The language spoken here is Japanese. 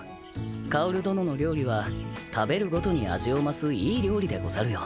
薫殿の料理は食べるごとに味を増すいい料理でござるよ。